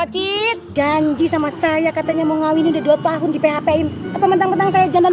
ocit janji sama saya katanya mau ngawin udah dua tahun di hpm apa mentang mentang saya jantan